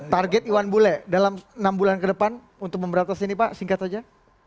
target iwan bule dalam enam bulan ke depan untuk memberantas ini pak singkat saja